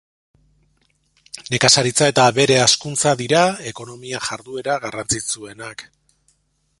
Nekazaritza eta abere hazkuntza dira ekonomia jarduera garrantzitsuenak.